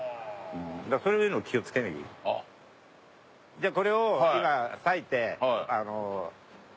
じゃあこれを今割いて。